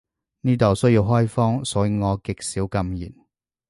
呢度需要開荒，所以我極少禁言